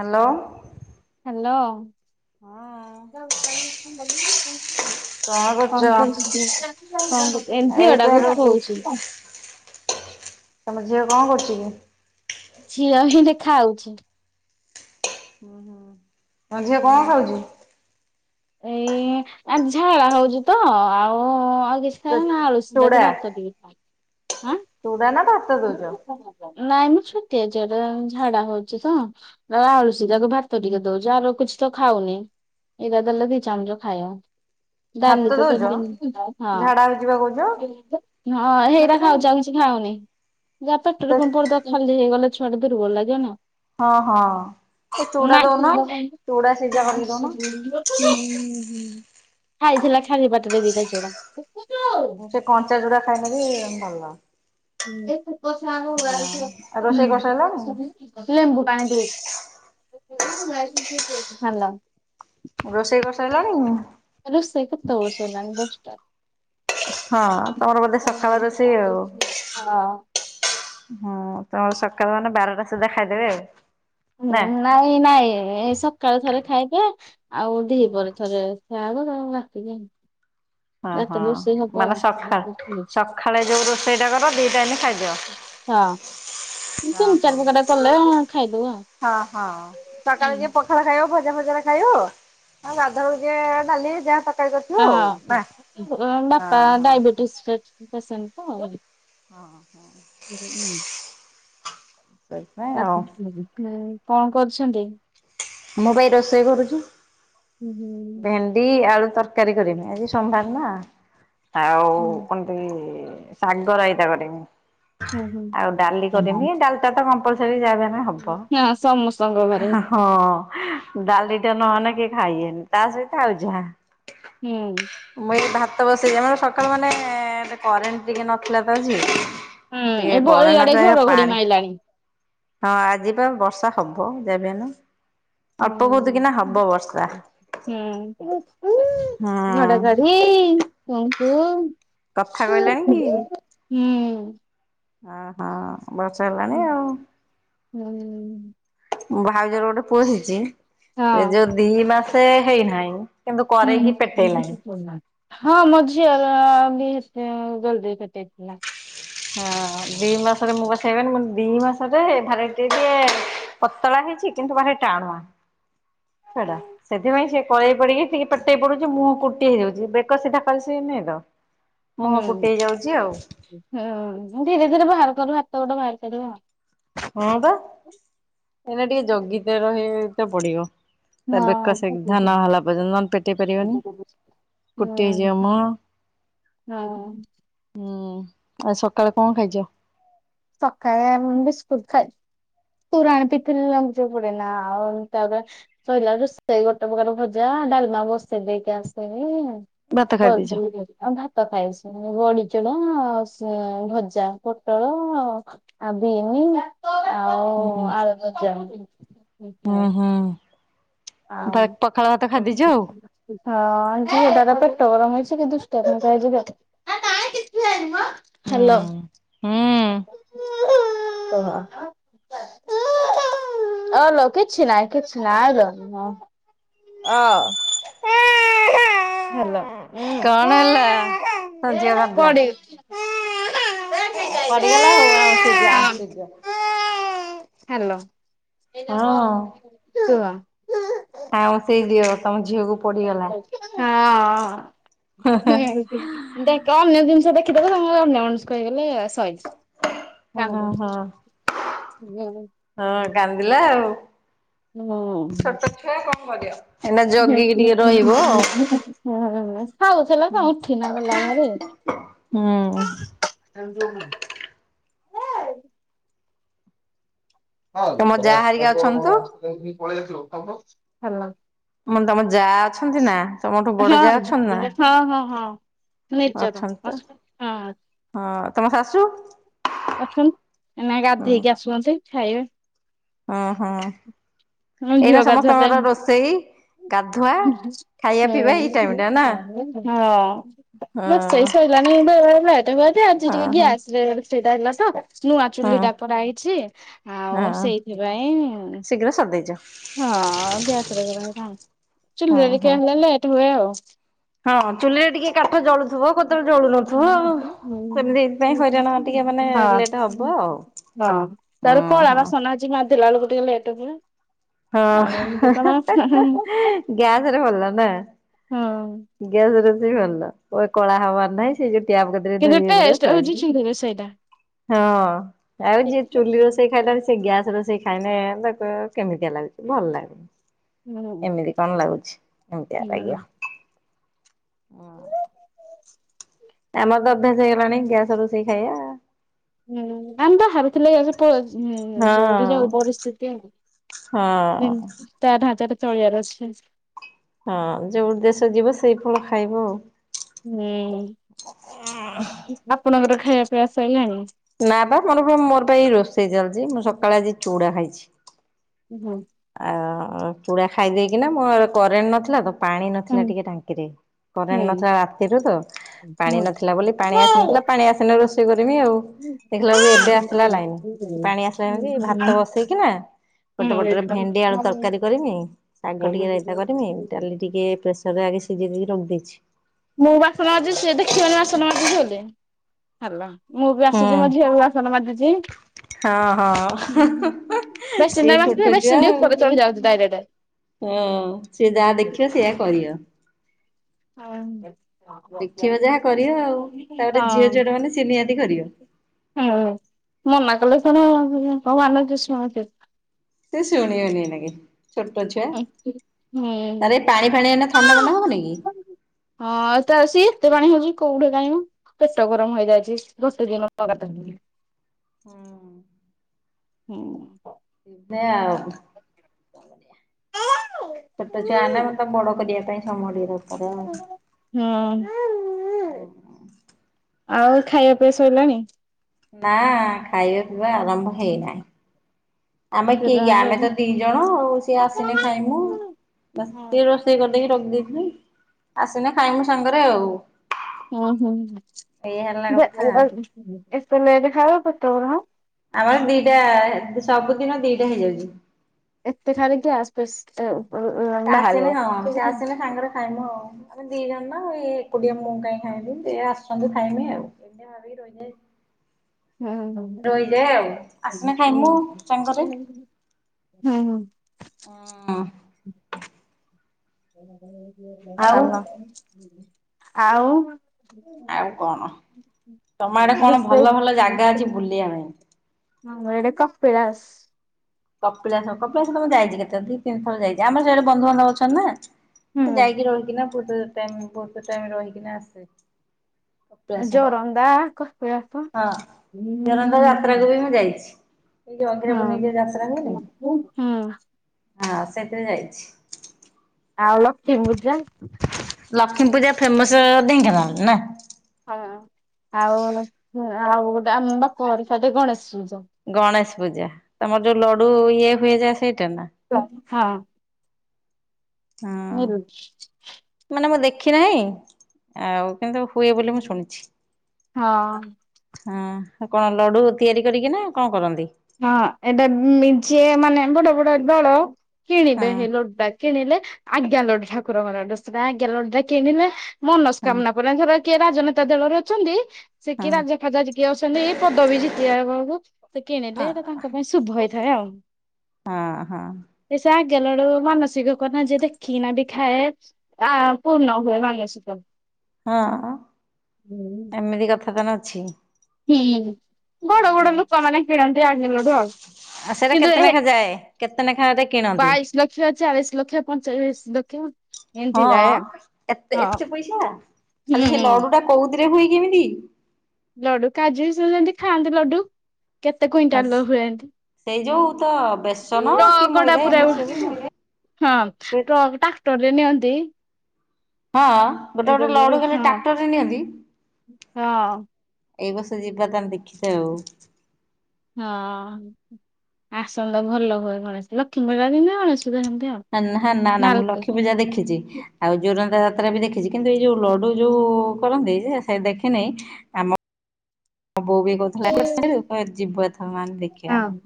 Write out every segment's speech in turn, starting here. Hello. Hello. କଣ କରୁଚୁ ତୁ? କଣ କରୁଚୁ? ଏଇ ଏଇତ ଝିଅଟାକୁ ରୋ ଖୋଉଚି। ତମ ଝିଅ କଣ କରୁଚି କି? ଝିଅ ହେନ୍ତି ଖାଉଚି। ହୁଁ ହୁଁ। ତମ ଝିଅ କଣ ଖାଉଚି? ଏଇ ଝାଳା ହୋଉଚି ତ ଆଉ କିଚି ଚୁ ଖାଇବନି ନା ଆଳୁ ଚୁଡା ସିଝାକୁ ଭାତ ଟିକେ ଖାଉ ଆଁ? ତ ଦୋଉଚ? ନାଇଁ ମୁଁ ଛୋଟିଆଛିଟା ଝାଡା ହୋଉଚି ତ ଆଳୁସୀ ତାକୁ ଭାତ ଟିକେ ଦୋଉଚି ଆର କିଛି ତ ଖାଉନିଁ ଏଇକା ଦେଲେ ଦିଇ ଚାମଚ ଖାଇବ। ଦାଲି ଭାତ ତ ଦଉଛ? ଦେବିନି [inaudible] ହଁ। ଝାଡା ହଉଛି ବା କହୁଛ ହଁ ଭାତ ହେଇରା କାଇଁ ଖାଉଚି ଆଉ କିଛି ଖାଉନି। ଯାହା ତ ପଟରେ କଣ ପଡିଦ ଖାଲି ହେଇଗଲା ଛୁଆଟି ଦୁର୍ବଳ ଲାଗିବନ। ହଁ ହଁ। ଏ ଚୁଡା ନାଇଁ ଦଉନ [unintelligible] ଚୁଡା ସିଝା କରିକି ଦଉନ ଖାଇଥିଲା ଖାଲି ବାଟରେ ଦିଇଟା ଚୁଡ଼ା। ହଁ ସେ କଞ୍ଚା ଚୁଡା ଖାଇଲେବି ଭଲ। ହୁଁ [inaudible] ହୁଁ ଆଉ [inaudible] ହୁଁ ରୋଷେଇ କରିସାରିଲଣି? ଲେମ୍ବୁ ପାଣି ଦେଇଛି। [inaudible] ହାଲୋ। ରୋଷେଇ କଆରିସାଇଲଣି। ରୋସେଇ କେତୋବେଳୁ ସରିଲାଣି ଦସଟାରୁ। ହଁ ତମର ବୋଧେ ସକାଳ ରୋଷେଇ ଆଉ। ହୁଁ ତମେ ସକାଳ ମାନେ ବାରଟା ସୁଦ୍ଧା ଖାଇଦେବେ ଆଉ। ହୁଁ ନା ନାଇଁ ନାଇଁ ଏ ସକାଳେ ଥରେ ଖାଇବେ ଆଉ ଦହି ହଁ। ପରେ ଥରେ ଖାଇବ ତାପରେ ରାଟିକି ହଁ ଏତ ବେଶି ହଁ ହବ ମାନେ ହବ ସକାଳ କୋଠି। ହଁ ସକାଳେ ଯୋଉ ରୋଷେଇ ଟା କର ଦି ଟାଇମ ତିନି ଖାଇଦିଅ। ହଁ ହଁ। ଚାରି ପକା ଟା କଲେ ଖାଇଦବ ଆଉ। ହଁ ହଁ ସକାଳେ ଯେ ପଖଳ ଖାଇବା ଭଜା ସକାଳେ ଖାଇବ ଆଉ ଗାଦୁଆ ବେଳକୁ ଯିଏ ଡାଲି ଯାହା ତରକାରୀ କରିଥିବ ହଁ ଆଉ ନା। ହଁ ବାପା ହଁ ଡାୟବେିଟିସ୍ ପେସେଣ୍ଟ ତ। ହଁ ହ। କଣ କରୁଛନ୍ତି? ମୁଁ ପା ଏଇ ରୋଷେଇ କରୁଛୁ ହୁଁ ହୁଁ। ଭେଣ୍ଡି ଆଳୁ ତରକାରୀ କରିନି ଆଜି ସୋମବାର ନା ଆଉ କଣ ଶାଗ ରାଇତା କରିବି। ହଁ ଆଉ ଡାଲି କରିନି ଡାଲିଟା ତ କମ୍ପଲସରି ଯାହା ବି ହେଲ ସମସ୍ତଙ୍କ ଘରେ ହବ। ହଁ ଡାଲିଟା ନହେଲେ କିଏ ଖାଇନି ତା ସହିତ ଆଉ ଯାହା। ହୁଁ ମୁଁ ଏ ଭାତ ସେଇୟା ବା ସକାଳୁ ତ ମାନେ କରେଣ୍ଟ ଟିକେ ନଥିଲା ତ ଆଜି। ହୁଁ ଟିକ ଏବ କରେଣ୍ଟ ନ ଇଆଡେ ଥିଲା ତା ଘଡଘଡି ପାଣି ମାଇଲାଣି। ହଁ ଆଜି ପା ବର୍ଷା ହବ ଯବିହେଲେ। ଅଳ୍ପ ବହୁତି କିନା ହବ ବର୍ଷା। ହୁଁ ହୁଁ। ଘଡଘଡି କଥା କହିଲାଣି କୁହନ୍ତୁ। ହୁଁ। ହଁ ହଁ ବର୍ଷା ହେଲାଣି ଆଉ। ହୁଁ ଭାଉଜଙ୍କ ଗୋଟେ ପୁଅ ହେଇଚି ଏ ହଁ। ଯୋଉ ଦି ମାସେ ହେଇନାହିଁ। କିନ୍ତୁ କରେଇକି ହୁଁ ପେଟେଇଲାଣି। ହଁ ମଝିଆ ର ବି ସେ ଜଲଦି କଟେଇଥିଲା। ହଁ ଦି ମାସରେ ମୁଁ ପା ଖାଇହେଇବନି ମୁଁ ଦି ମାସରେ ଭାରି ଟିକେ ପତଳା ହେଇଚି କିନ୍ତୁ ଭାରି ଟାଣୁଆ। ସେଟା ସେଥିପାଇଁ ସିଏ କଳେଇ ପଡିକି ଟିକେ ପେଟେଇ ପଡୁଛି ମୁହଁ କୁଟି ହେଇଯାଉଛି ବେକ ସିଧା କଲି ସି ଅ ହୁଁ ହୁଁ ଧୀରେ ଧୀରେ ବାହାର କରିବ ହାତ ଗୋଡେ ବାହାର କରିବ ଆଉ। ହଁ ପା ଏଇନା ଟିକେ ଜଗିତେ ରହିଆତ ପଡିବ। ତା ବେକ ହଁ ସିକଧା ହୁଁ ନ ହେଲା ପର୍ଯ୍ୟନ୍ତ ନହେଲେ ପେଟେଇ ପାରିବନି। କୁଟି ହେଇଯିବ ମ ହଁ। ଆଜି ସକାଳେ କଣ ଖାଇଚ? ସକାଳେ ଆ ମୁ ବିିସ୍କୁଟ ଖାଇ ପୁରାଣୀ ପିଥିଲ ଲାଗୁଛି ପଡେ ନା ଆଉ ତାପରେ ସୋଇଲା ରୋଷେଇ ଗୋଟେ ପ୍ରକାର ଭଜା ଡାଲମା ବସେ ଦେଇକି ଆସେନି ଭାତ ଖାଇ କର ଦେଇଛ [unintelligible] ଆଉ ଭାତ ଖାଇସ ବଢିଚୁଡ଼ା ଆଉ ଭଜା ପୋଟଳ ଆଉ ବିମି ଆଉ ହୁଁ ଆଉ ଆଳୁ ଭଜା ଏମତି ହୁଁ ଖାଏ। ହୁଁ ଆଉ ପଖାଳ ଭାତ ହଁ ଖାଇଦେଇଛ ଆଉ ଝିଅ ଟାର ପେଟ ଗରମ ହେଇଛି କିନ୍ତୁ [unintelligible] ହୁଁ ହଲୋ। ହୁଁ। [unintelligible] [inaudible] ଅଲୋ କିଛି ନାଇଁ କିଛି ନାଇଁ ଆଲ ଓ [inaudible] ହାଲୋ। କଣ ହେଲା ସଜ୍ୟ କରିଦେଲା। ପଡି ପଡିଗଲା ହଉ ଆଉଁସିଦିଅ ଆଉଁସିଦିଅ। ହ୍ୟାଲୋ ଶୁଣ। ଆଉଁସିଦିଅ ଦିଅ ତମ ଝିଅକୁ ପଡିଗଲା। ହଁ ଦେ କ ଜିନିଷ ଦେଖ ଶଖିଦେବେ ତମର ଅନ୍ୟ ମନକୁ ହେଇଗଲେ ସରି ହଁ ହଁ। ହୁଁ। ହଁ କାନ୍ଦିଲା ଆଉ। ଛୋଟ ଛୁଆ କଣ କରିବ? ଏଇନା [unintelligible] ଜଗିକି ଟିକେ ହୋଉ ରହିବ ଆଉ। ହେଲାତ ଉଠିକି ଗଲାଭାରି। ହଁ। ହେ ତମ ଯା ହାରିକା ଅଛନ୍ତି ତ? ହାଲୋ। ହଁ ମାନେ ତମ ହଁ ଯା ଅଛନ୍ତି ନା ତମଠୁ ବଡ ହଁ ଯା ଅଛନ୍ତି ନା? ହଁ। ନିଜର ଅଛନ୍ତି ତ ହଁ ତମ ଶାଶୁ? ଅଛନ୍ତି ନାଇଁ ହୁଁ ଗାଧେଇକି ଆସୁଛନ୍ତି ଖାଇବେ। ହଁ ହଁ। ହଁ ଏଇନା ଝିଅ ଗାଧେଇବା ପାଇଁ ସମସ୍ତଙ୍କର ରୋଷେଇ ଗାଧୁଆ [unintelligible] ଖାଇବା ପିଇବା ଏଇ ଟାଇମ ଟା ନା ହଁ। ରୋଷେଇ ହଁ। ସଇଲାଣି ବେଳେବେଳେ ଲେଟ ହୁଏତେ ଆଜି ହଁ ଟିକେ ହଁ ଗ୍ୟାସରେ ରୋଷେଇଟା ହେଲା ତ। ନୂଆ ହଁ ଚୁଲିଟା ପରା ହେଇଛି ଆଉ ହଁ ସେଇଥିପାଇଁ। ଶୀଘ୍ର ସରିଦେଇଛ ହଁ ଗ୍ୟାସରେ [unintelligible] ହଁ ଚୁଲିରେ ହଁ। ଟିକେ ହେଲା ଲେଟ ହୁଏ ଆଉ। ହଁ ଚୁଲିରେ ଟିକେ କାଠ ଜଳୁଥିବ କେତେବେଳେ ଜଳୁ ନଥିବ ହଇରାଣ ଟି ହଁ ହଁ ତାର କଳା ଓହୋ ବାସନ ଆଜି ମା ମାଜିଲା ବେଳକୁ ଟିକେ ଲେଟ ହୁଏ। ହଁ ଆଉ ଏମିତି ହଁ କଣ ହଁ ହଁ ଗ୍ୟାସରେ ଭଲ ନା। ହଁ ଗ୍ୟାସରେ ରୋଷେଇ ଭଲ କଳା ହବାର ନାହିଁ ସେଇ ଯ ଟ୍ୟାପ କତିରେ କିନ୍ତୁ ଧୋଇ ହେଇ ପଡିବ ଟେଷ୍ଟ ହଉଛି ଚୁଲି ରୋଷେଇଟା। ସଇଲା। ହଁ ଆଉ ଯିଏ ଚୁଲି ରୋଷେଇ ଖାଇଲାଣି ସେ ଗ୍ୟାସ ରୋଷେଇ ଖାଇଲେ ତ କେମିତିଆ ଲାଗୁଛି ଭଲ ଲାଗୁନି। ହୁଁ ଏମିତି କଣ ଲାଗୁଛି ଏମିତିଆ ହୁଁ। ଲାଗିବ। ଆମର ତ ଅଭ୍ୟାସ ହେଇଗଲାଣି ଗ୍ୟାସ ରୋଷେଇ ଖାଇବା। ହୁଁ ଆମେତ ଭାବିଥିଲ ପ ହୁଁ ଯଉଠି ହଁ ଯାଉ ପରିସ୍ଥିତି ଆଉ ହଁ ତା ଢାଞ୍ଚାରେ ତଳିୟାର ଅଛି। ହଁ ଯୋଉ ଦେଶ ଯିବ ସେଇ ଫଳ ଖାଇବ। ହୁଁ। ଆପଣଙ୍କର ଖାଇବା ପିଇବା ଶଇଲାଣି? ନା ବା ମୋର ମୋର ପା ହେଇ ରୋଷେଇ ଚାଲିଛି ମୁଁ ସକାଳେ ଆଜି ଚୁଡା ଖାଇଛି। ହୁଁ। ଆ ଚୁଡା ଖାଇ ଦେଇେକିନା ମୋ କରେଣ୍ଟ ନଥିଲା ତ। ପାଣି ନଥିଲା ହୁଁ ଟିକେ ଟାଙ୍କିରେ କରେଣ୍ଟ ନଥିଲା ରାତିରୁ ତ। ପାଣି ହୁଁ। ନଥିଲା ବୋଲି ପାଣି ଆସିନଥିଲା ପାଣି ଆସିଲାବେଳୁ ଦେଖିଲା ବେଳକୁ ଏବେ ଆସିଲା ଲାଇନ ପାଣି ଆସିଲା ଭାତ ବସେଇକିନା ପୋଟ ପଟ ରେ ଭେଣ୍ଡି ଆଳୁ ତରକାରୀ କରିନି ଶାଗ ଟିକେ ରାଇତା କରି ଡାଲି ଟିକେ ପ୍ରେସର ଆଗେ ଶିଝେଇ ଦେଇକି ରଖି ଦେଇଛି। ମୁଁ ବାସନ ମାଜି ସେ ଦେଖିବନି ବାସନ ମାଜି ବୋଲି ହଲୋ। ମୁଁ ବି ହୁଁ ଆସୁଛିି ମୋ ଝିଅ ବି ବାସନ ମାଜୁଛି। ହଁ ହଁ ସିଏ ଛୋଟ ଛୁଆ ଆଉ। [unintelligible] ହଁ ସିଏ ଯାହା ଦେଖିବ ସେଆ କରିବ। ହଁ। ଦେଖିବା ଯାହା କରିବ ଆଉ ତାପରେ ଝିଅ ଝିଅଟା ମାନେ ସ ନିହାତି କରିବ। ହୁଁ ମନା କଲେ କଣ କୋଉଁ ମାନୁଚି ଶୁଣୁଛି। ସେ ଶୁଣିବନି। ଛୋଟ ଛୁଆ ହୁଁ ହଁ ତାର ଏ ପାଣି ଫାଣି ଏ ଥଣ୍ଡା ମଣ୍ଡ ହବନି କି। ହଁ ଏ ତ ଆସ ଏତେ ପାଣି ହଉଛି କୋଉଠି କାଇଁ ପେଟ ଗରମ ହେଇଯାଇଛି [unintelligible] ହଁ ହୁଁ [unintelligible] ଛୋଟ ଛୁଆ ମାନଙ୍କୁ ବଡ କରିବା ପାଇଁ ସମୟ ଟିକେ ଦରକାର ଆଉ। ହୁଁ ଆଉ ଖାଇବା ପିଇବା ସଇଲାଣି? ନା ଖାଇବା ପିଇବା ଆରମ୍ଭ ହେଇନାହିଁ। ଆମେ କି ଆମେ ତ ଦି ଜଣ ଆଉ ସିଏ ଆସିନେ ଖାଇମୁ। ସେଏ ରୋଷେଇ କରିଦେଇକି ରଖିଦେଇଥିଲ ଆସିଲି ଖାଇମୁ ସାଙ୍ଗରେ ଆଉ ହଁ ଏଇଆ ହେଲା କଥା ହଁ ଏ [unintelligible] ଆମର ଦି'ଟା ସବୁଦିନ ଦି'ଟା ହେଇଯାଉଛି। ଏତେ ଖାଇ କିି ଗ୍ୟାସ ଆଉ ଆସିଲେ ସେ ଆସିଲେ ସାଙ୍ଗରେ ଖାଇମୁ ଆଉ। ଆମେ ଦି ଜଣ ନା ଏଇ ଏକୁଟିଆ ମୁଁ କାଇହିଁ ଖାଇବି ସେ ଆସଛନ୍ତିୁ ଖାଇମି ଆଉ ଏମିତି ଭାବି ରହିଯା ରହଯେ ଆଉ ହୁଁ ଆସନାେ ଖାଇମୁ ସାଙ୍ଗରେ ହୁଁ ହୁଁ। ହଁ। ଆଉ ଆଉ ଆଉ କଣ? [unintelligible] ତମ ଆଡେ କଣ ଭଲ ଭଲ ଜାଗା ଅଛି ବୁଲିବା ପାଇଁ? ହଁ ଏଇଟ କପିଳାସ କପିଳାସ କପିଳାସ ମୁଁ ଯାଇଛି କେତେ ଥର ଦି ତିନିଥର ଯାଇଛି ଆମର ସେପଟେ ବନ୍ଧୁ ବାନ୍ଧବ ଅଛନ୍ତି ନା ହୁଁ ଯାଇକି ରହିକିନାହୁତ ଟାଇ ବହୁତ ଟାଇମ ରହିକିନା ଆସେ କପିଳାସ ଜୋରନ୍ଦା କପିଳାସ ହଁ ହଁ ଜୋରନ୍ଦା ହୁଁ ଯାତ୍ରାକୁ ବି ମୁଁ ଯାଇଛି। ଅଘିରା ପୁନେଇଁ [unintelligible] ହଁ। ହଁ ସେଥିରେ ଯାଇଛି। ଆଉ [unintelligible] ଲକ୍ଷ୍ମୀପୂଜା ଫେମସ ଢେଙ୍କାନାଳ ନା ହଁ ଆଉ ଆଉ ଗୋଟେ ଆମ ବାପର ସାଇଟରେ ଗଣେଶ ପୂଜା ଗଣେଶ ପୂଜା ତମର ଯୋଉଁ ଲଡୁ ଇଏ ହୁଏ ସେଇଟା ନା? ହଁ ହଁ ମାନେ ମୁଁ ଦେଖ ଦେଖି ନାହିଁ ଆଉ କିନ୍ତୁ ହୁଏ ବୋଲି ମୁଁ ଶୁଣିଛି। ହଁ ହଁ କଣ ଲଡୁ ତିଆରି କରିକି ନା କଣ କରନ୍ତି। ହଁ ଏଟା ଯିଏ ମାନେ ବଡ ବଡ ଦଳ ହଁ କିଣିବେ ହେ ଲଡୁ କିଣିଲେ ଆଜ୍ଞା ଲଡୁ ଠାକୁରଙ୍କର ଆଜ୍ଞା ଲଡୁ କିଣିଲେ ହଁ ମନସ୍କାମନା ପରା ଧର କିଏ ରାଜନେତା ଦଳରେ ଅଛନ୍ତି ସେ କିଏ ହଁ। ରାଜ ଫାଜା କିଏ ଅଛନ୍ତି ଏଇ ପଦ ବି ଜିତିବା ବଳକୁ ସେ ଅ କିଣିଲେ ତାଙ୍କ ପାଇଁ ଶୁଭ ହେଇଥାଏ ଆଉ। ହଁ ହଁ ଲା ବଳୁ ମାନସିକ କଥା ଯେ ଦେଖିନା ବି ଖାଏ, ଆ ପୂର୍ଣ୍ଣ ହୁଏ ମାନସିକ ହଁ, ହୁଁ। ଏମିତି କଥା ତାନ ଅଛି ହୁଁ, ବଡ ବଡ ହଁ। ଲୋକମାନେ କିଣନ୍ତି ଆଗେ ଲଡୁ ଆଉ ଆଉ ସେଇଟା କିନ୍ତୁ କେତେ ଏ ନେଖା ଯାଏ କେତେ ନେଖାରେ କିଣନ୍ତି? ବାଇଶ ଲକ୍ଷ, ଚାଳିଶ ଲକ୍ଷ, ପଁଚାଳିଶ ଲକ୍ଷ କି [unintelligible] ହଁ, ଏତେ ଏତେ ପଇସା, ଖାଲି ସେ ହୁଁ ଲଡୁ ଟା କହୁ ହୁଏ କି ଏମିତି? ଲଡୁ କାଜୁ ବି ସେମିତି ଖାଆନ୍ତି ଲଡୁ। କେତେ କୁଇଣ୍ଟାଲ ହୁନ୍ତି ସେଇ କା ପ। ଯୋଉ ତ ବେସନ ହଁ କି ଟ ମଇଦା ଏମିତି ସବୁ ତ ହୁଏ। ଟ୍ରାକ୍ଟରରେ ନିଅନ୍ତି। ହଁ ଗୋଟେ ଏଡେ ଗୋଟେ ବଡ ହଁ ଲଡୁ ଖଲେ ଟ୍ରାକ୍ଟରରେ ନିଅନ୍ତି। ହଁ ଏଇ ବର୍ଷ ଯିବା ତମେ ଦେଖିଥା ଆଉ। ହଁ ଆସନ୍ତା ଭଲ ହୁଏ, ଗଣେଶ, ଲକ୍ଷ୍ମୀପୂଜାର ଦିନ ଗଣେଶ ପୂଜା ସେମିତି ଆଉ ନା ନା ନା ମୁଁ ନାଲକୋ ଲକ୍ଷ୍ମୀ ହଁ ପୂଜା ଦେଖିଛି ଆଉ ଜୋରନ୍ଦା ଜା ଯାତ୍ରା ବି ଦେଖିଛି କିନ୍ତୁ ଏଇ ଯୋଉ ଲଡୁ ଯୋଉ କରନ୍ତି ଯେ ସେ ଦେଖିନହି, ଆମ ମୋ ବୋଉ ବି କହୁଥିଲା ଯିବୁ ଏଥ ମାନେ ଦେଖିବା, ଆମେ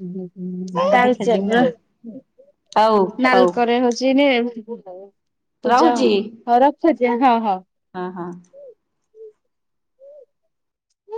ସାଙ୍ଗ ଦେଖିବା ତାଳଚେର ଯିମୁ। ଆଉ ହଉ ହଉ ନାଲକୋରେ ହଉଛି ରେ ତୁ ଯା ରହୁଛି ହଉ ରଖଛି, ହଁ ହଁ। ହଁ ହଁ।